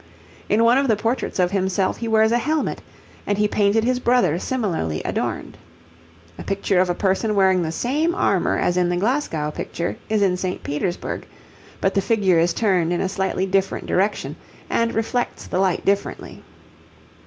In one of the portraits of himself he wears a helmet, and he painted his brother similarly adorned. A picture of a person wearing the same armour as in the Glasgow picture is in St. Petersburg, but the figure is turned in a slightly different direction and reflects the light differently.